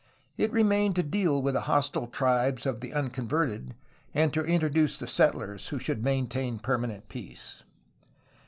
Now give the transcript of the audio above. It remained to deal with the hostile tribes of the unconverted and to introduce the settlers who should maintain permanent peace.